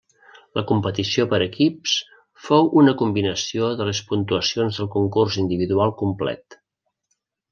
La competició per equips fou una combinació de les puntuacions del concurs individual complet.